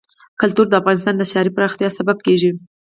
کلتور د افغانستان د ښاري پراختیا سبب کېږي.